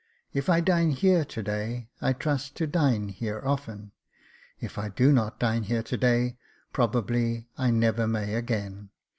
If I dine here to day, I trust to dine here often. If I do not dine here to day, probably I never may again.